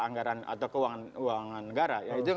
anggaran atau keuangan negara itu yang